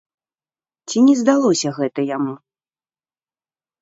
Ці не здалося гэта яму?